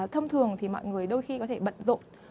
thông thường thì mọi người đôi khi có thể bận rộn